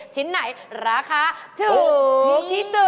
ชิ้นไหนราคาถูกที่สุด